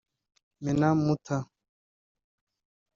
Meena Mutha